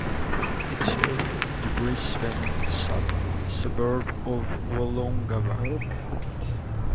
It serves the Brisbane suburb of Woolloongabba.